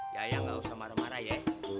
yaya gak usah marah marah ya